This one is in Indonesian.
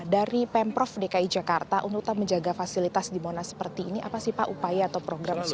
dari pemprov dki jakarta untuk menjaga fasilitas di monas seperti ini apa sih pak upaya atau program